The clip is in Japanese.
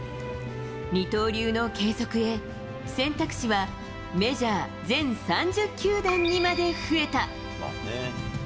二刀流の継続へ、選択肢はメジャー全３０球団にまで増えた。